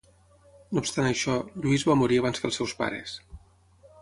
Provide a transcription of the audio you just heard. No obstant això, Lluís va morir abans que els seus pares.